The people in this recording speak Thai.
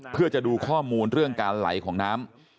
เพื่อจะดูข้อมูลเรื่องการไหลของน้ำ